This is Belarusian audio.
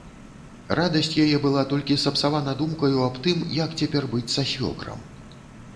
Радасць яе была толькі сапсавана думкаю аб тым, як цяпер быць са свёкрам.